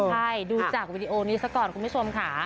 ใช่ดูจากวีดีโอนี้ซะก่อนคุณผู้ชมค่ะ